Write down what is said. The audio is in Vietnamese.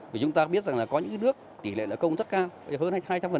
vì chúng ta biết rằng là có những nước tỷ lệ nợ công rất cao hơn hay hai trăm linh